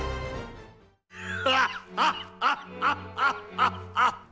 ハッハッハッハハッハッハ！